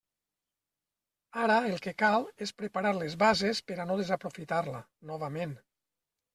Ara, el que cal, és preparar les bases per a no desaprofitar-la, novament.